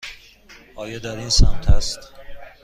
آیا در این سمت است؟